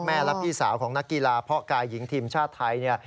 และพี่สาวของนักกีฬาเพาะกายหญิงทีมชาติไทยเนี่ย